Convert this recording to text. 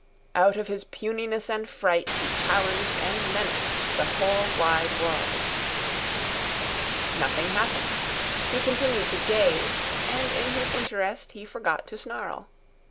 Out of his puniness and fright he challenged and menaced the whole wide world. Nothing happened. He continued to gaze, and in his interest he forgot to snarl.